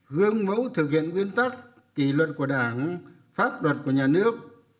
gương mẫu thực hiện nguyên tắc kỷ luật của đảng pháp luật của nhà nước